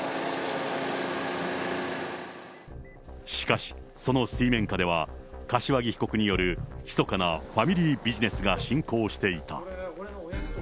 しかし、その水面下では、柏木被告によるひそかなファミリービジネスが進行していた。